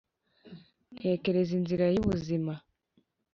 ntatekereza inzira y ubuzima